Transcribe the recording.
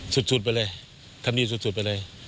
สุดไปเลยทำดีสุดไปเลย